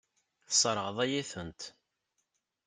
Tesseṛɣeḍ-iyi-tent.